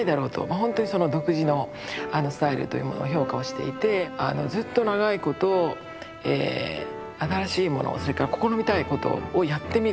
本当にその独自のスタイルというものを評価をしていてずっと長いこと新しいものをそれから試みたいことをやってみる。